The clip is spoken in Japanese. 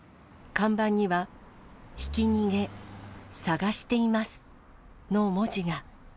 看板には、ひき逃げ探していますの文字が。